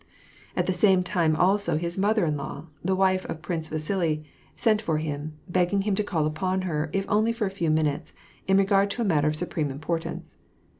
At the same time, also, his mother in law, the'wife of Prince Vasili, sent for him, begging him to call upon her, if only for a few minutes, in regard to a matter of supreme importance.